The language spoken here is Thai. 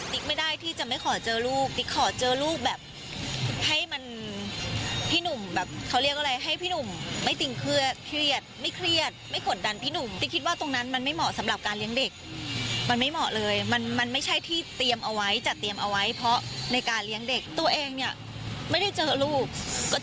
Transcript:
ไม่ได้ที่จะไม่ขอเจอลูกติ๊กขอเจอลูกแบบให้มันพี่หนุ่มแบบเขาเรียกอะไรให้พี่หนุ่มไม่ตึงเครียดไม่เครียดไม่กดดันพี่หนุ่มติ๊กคิดว่าตรงนั้นมันไม่เหมาะสำหรับการเลี้ยงเด็กมันไม่เหมาะเลยมันไม่ใช่ที่เตรียมเอาไว้จัดเตรียมเอาไว้เพราะในการเลี้ยงเด็กตัวเองเนี่ยไม่ได้เจอลูก